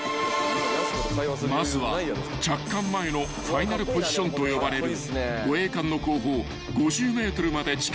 ［まずは着艦前のファイナルポジションと呼ばれる］